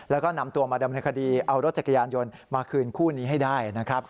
แล้วก็นำตัวมาดำเนินคดีเอารถจักรยานยนต์มาคืนคู่นี้ให้ได้นะครับ